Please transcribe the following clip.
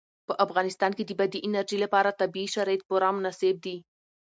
په افغانستان کې د بادي انرژي لپاره طبیعي شرایط پوره مناسب دي.